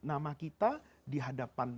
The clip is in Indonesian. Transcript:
nama kita di hadapan